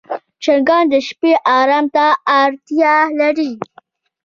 چرګان د شپې آرام ته اړتیا لري.